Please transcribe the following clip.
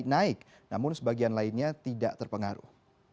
naik namun sebagian lainnya tidak terpengaruh